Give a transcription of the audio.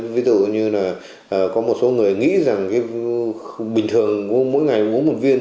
ví dụ như là có một số người nghĩ rằng cái bình thường mỗi ngày uống một viên